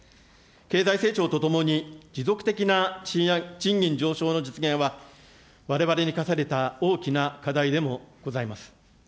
経済成長とともに、持続的な賃金上昇の実現は、われわれに課された大きな課題でもございます。